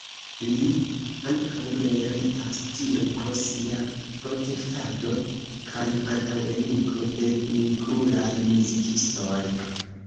Li ankaŭ meritas tion pro sia protektado kaj antaŭenigo de nigrulaj muzikistoj.